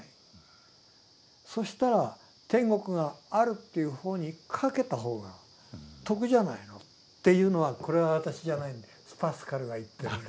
そしたら天国があるという方に賭けた方が得じゃないのっていうのはこれは私じゃないんでパスカルが言ってるんです。